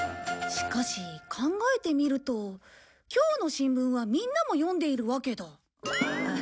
しかし考えてみるときょうの新聞はみんなも読んでいるわけだ。